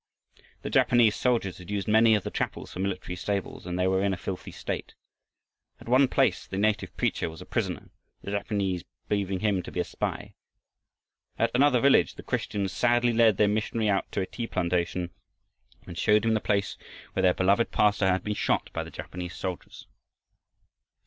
The Japanese soldiers had used many of the chapels for military stables, and they were in a filthy state. At one place the native preacher was a prisoner, the Japanese believing him to be a spy. At another village the Christians sadly led their missionary out to a tea plantation and showed him the place where their beloved pastor had been shot by the Japanese soldiers.